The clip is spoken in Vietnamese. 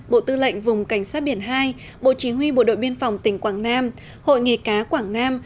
bộ tư lệnh vùng cảnh sát biển hai bộ chí huy bộ đội biên phòng tỉnh quảng nam hội nghề cá quảng nam